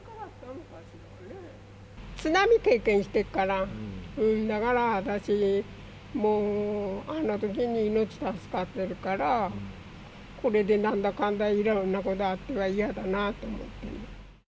津波を経験してるから、だから私、もう、あのときに命助かってるから、これでなんだかんだ、いろんなことがあったら嫌だなと思ってる。